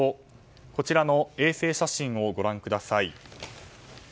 こちらの衛星写真をご覧ください。